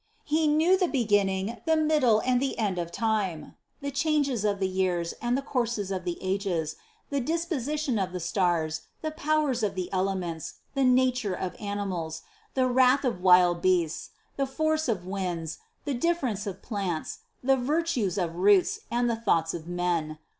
He knew the beginning, the middle and the end of time, the changes of the years and the courses of the ages, the disposition of the stars, the powers of the elements, the nature of animals, the wrath of wild beasts, the force of winds, the difference of plants, the virtues of roots and the thoughts of men.